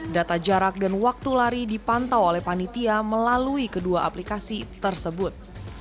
data jarak dan waktu lari dipantau oleh panitia melalui kedua aplikasi tersebut